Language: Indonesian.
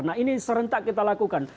nah ini serentak kita lakukan